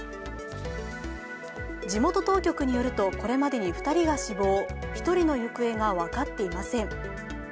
地元当局によるとこれまでに２人が死亡、１人の行方が分かっていません。